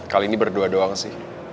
kali ini berdua doang sih